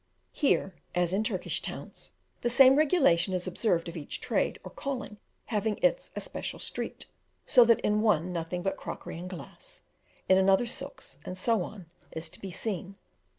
Here, as in Turkish towns, the same regulation is observed of each trade or calling having its especial street, so that in one nothing but crockery and glass, in another silks, and so on, is to be seen.